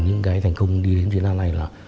những cái thành công đi đến đây